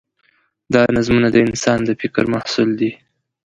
دا نظمونه د انسان د فکر محصول دي.